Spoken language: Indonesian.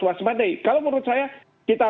waspadai kalau menurut saya kita